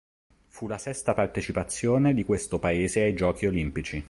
Fu la sesta partecipazione di questo paese ai Giochi Olimpici.